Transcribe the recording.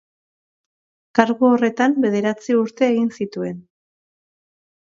Kargu horretan bederatzi urte egin zituen.